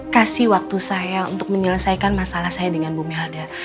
kasih waktu saya untuk menyelesaikan masalah saya dengan bu melda